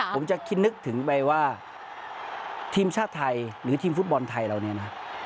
ผมจะคิดนึกถึงไปว่าทีมชาติไทยหรือทีมฟุตบอลไทยเราเนี่ยนะ